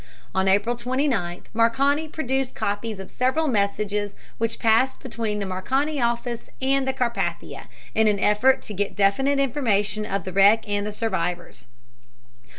On April 29th Marconi produced copies of several messages which passed between the Marconi office and the Carpathia in an effort to get definite information of the wreck and the survivors.